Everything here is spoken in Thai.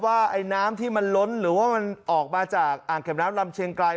ไอ้น้ำที่มันล้นหรือว่ามันออกมาจากอ่างเก็บน้ำลำเชียงไกล